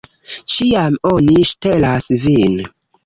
Ĉiam oni ŝtelas vin!